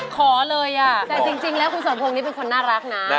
ขอเลยอ่ะแต่จริงแล้วคุณสมพงศ์นี่เป็นคนน่ารักนะ